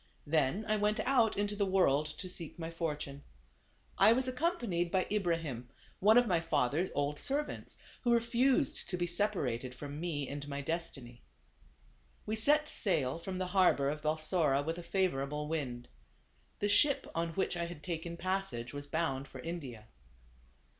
Then I went out into the world to seek my fortune. I was accompanied by Ibra him, one of my father's old servants, who refused to be separated from me and my destiny. We set sail from the harbor of Balsora with a favorable wind. The ship, on which I had taken passage, was bound for India.